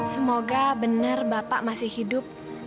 semoga benar bapak masih hidup